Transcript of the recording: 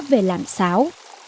về làm sáo